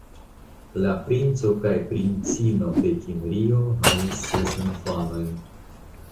La princo kaj princino de Kimrio havis ses infanojn.